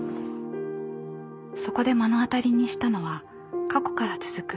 そこで目の当たりにしたのは過去から続く差別の歴史でした。